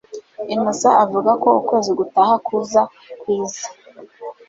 Innocent avuga ko ukwezi gutaha kuza kwiza